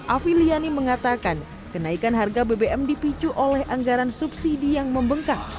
afi liani mengatakan kenaikan harga bbm dipicu oleh anggaran subsidi yang membengkak